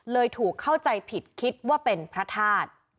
ถูกเข้าใจผิดคิดว่าเป็นพระธาตุ